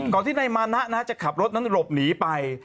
ที่นายมานะจะขับรถนั้นหลบหนีไป